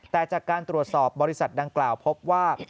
แต่จากการตรวจสอบบริษัทดังกล่าวพบว่า